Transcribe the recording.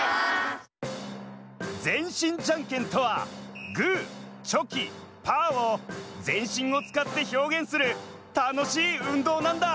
全身じゃんけんとはグーチョキパーを全身をつかってひょうげんするたのしい運動なんだ！